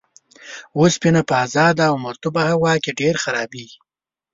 اوسپنه په ازاده او مرطوبه هوا کې ډیر خرابیږي.